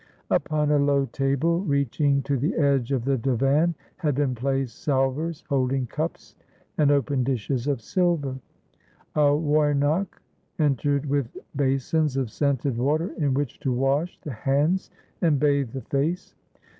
Upon a low table, reaching to the edge of the divan, had been placed salvers holding cups and open dishes of silver. A woinak entered with basins of scented water in which to wash the hands and bathe the face.